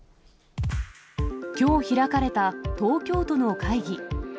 きょう開かれた東京都の会議。